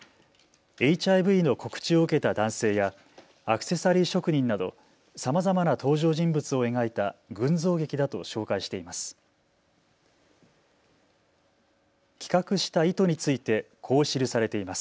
ＨＩＶの告知を受けた男性やアクセサリー職人などさまざまな登場人物を描いた群像劇だと紹介しています。